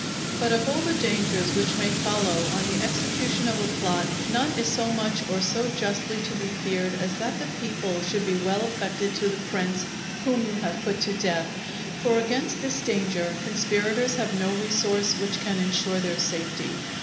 But of all the dangers which may follow on the execution of a plot, none is so much or so justly to be feared as that the people should be well affected to the prince whom you have put to death. For against this danger conspirators have no resource which can ensure their safety.